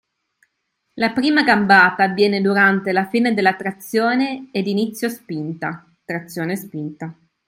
La prima gambata avviene durante la fine della trazione ed inizio spinta (trazione-spinta).